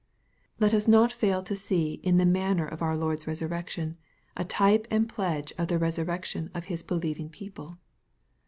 • Let us not fail to see in the manner of our Lord's resurrection, a type and pledge of the resurrection of His Delieving people.